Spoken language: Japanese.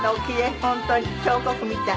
本当に彫刻みたい。